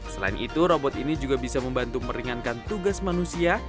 selain itu robot ini juga bisa membantu meringankan tugas manusia